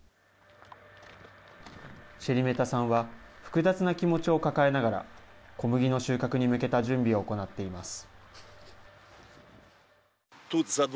シェリメタさんは複雑な気持ちを抱えながら小麦の収穫に向けた準備を行っています。